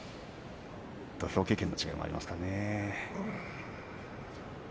土俵経験の違いもありますね。